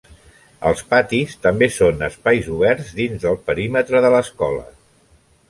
Els patis també són espais oberts dins del perímetre de l'escola.